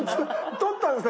とったんですか？